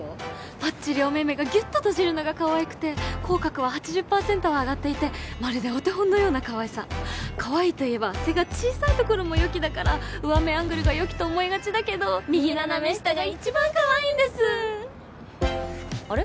ぱっちりお目々がぎゅっと閉じるのがかわいくて口角は８０％は上がっていてまるでお手本のようなかわいさかわいいといえば背が小さいところもよきだから上目アングルがよきと思いがちだけど右斜め下が一番かわいいんですあれ？